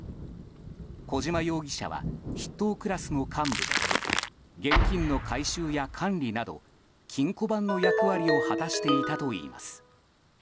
小島容疑者は筆頭クラスの幹部で現金の回収や管理など金庫番の役割を果たしていたといいます。